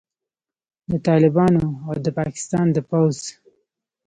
د طالبانو او د پاکستان د پوځ